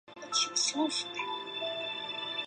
丽肯可